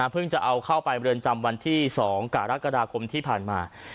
จะเอาเข้าไปเรือนจำวันที่๒กรกฎาคมที่ผ่านมา